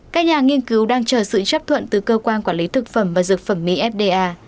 các nhà nghiên cứu đang chờ sự chấp thuận từ cơ quan quản lý thực phẩm và dược phẩm mỹ fda